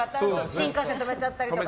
新幹線、止めちゃったりとかね。